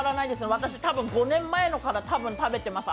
私、多分５年前のから食べてます。